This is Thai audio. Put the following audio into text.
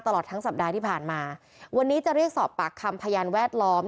ตลอดทั้งสัปดาห์ที่ผ่านมาวันนี้จะเรียกสอบปากคำพยานแวดล้อม